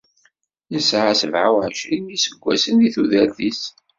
Yesɛa sebεa u εecrin n yiseggasen di tudert-is.